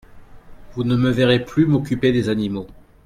Vous ne me verrez plus m'occuper des animaux.